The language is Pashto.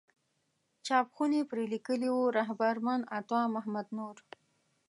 چاپ خونې پرې لیکلي وو رهبر من عطا محمد نور.